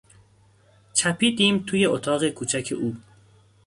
چپیدیم توی اتاق کوچک او